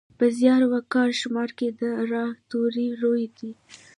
په زیار، وقار، شمار کې د راء توری روي دی.